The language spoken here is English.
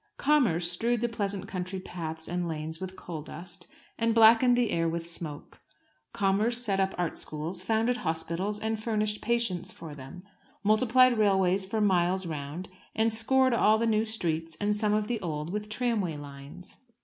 Commerce strewed the pleasant country paths and lanes with coal dust, and blackened the air with smoke. Commerce set up Art schools, founded hospitals (and furnished patients for them), multiplied railways for miles round, and scored all the new streets, and some of the old, with tramway lines.